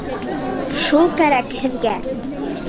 Шул кәрәк һеҙгә!